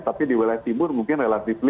tapi di wilayah timur mungkin relatif